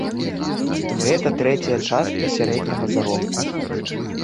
Гэта трэцяя частка сярэдняга заробку.